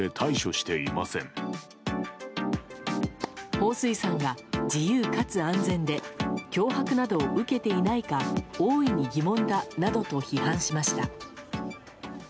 ホウ・スイさんが自由かつ安全で脅迫などを受けていないか大いに疑問だなどと批判しました。